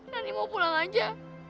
rani mau pulang saja